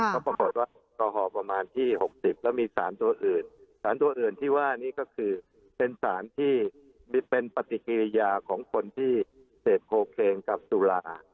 ก็ปรากฏว่าแอลกอฮอล์ประมาณที่๖๐แล้วมีสารตัวอื่นสารตัวอื่นที่ว่านี่ก็คือเป็นสารที่เป็นปฏิกิริยาของคนที่เสพโคเคนกับสุรา